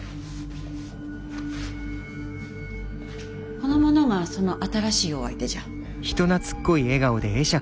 この者がその新しいお相手じゃ。